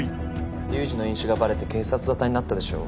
龍二の飲酒がバレて警察沙汰になったでしょ？